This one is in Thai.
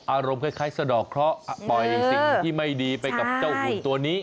อารมณ์คล้ายสะดอกเคราะห์ปล่อยสิ่งที่ไม่ดีไปกับเจ้าหุ่นตัวนี้